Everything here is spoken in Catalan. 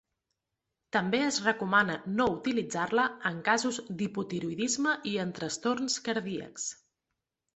També es recomana no utilitzar-la en casos d'hipotiroïdisme i en trastorns cardíacs.